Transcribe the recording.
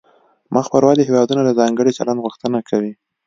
مخ پر ودې هیوادونه د ځانګړي چلند غوښتنه کوي